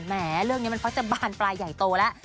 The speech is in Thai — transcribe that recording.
แม้เรื่องนี้มันมักจะบานปลายใหญ่โตแล้ว